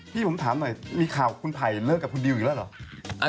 พี่ผมถามหน่อยมีข่าวคุณไผ่เลิกกับคุณดิวอีกแล้วเหรอ